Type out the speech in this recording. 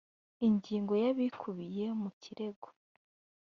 ingingo ya ibikubiye mu kirego